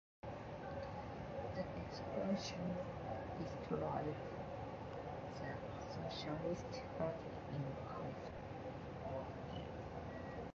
The expulsions destroyed the Socialist party in California.